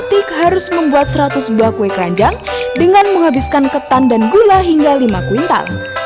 tik harus membuat satu ratus dua kue keranjang dengan menghabiskan ketan dan gula hingga lima kuintal